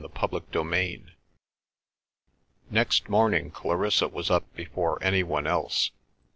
CHAPTER IV Next morning Clarissa was up before anyone else.